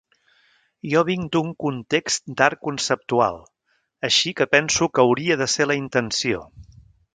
Jo vinc d'un context d'art conceptual, així que penso que hauria de ser la intenció.